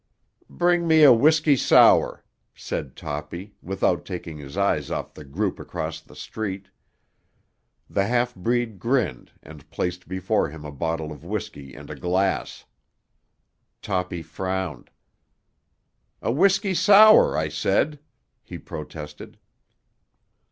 "Bring me a whisky sour," said Toppy, without taking his eyes off the group across the street. The half breed grinned and placed before him a bottle of whisky and a glass. Toppy frowned. "A whisky sour, I said," he protested.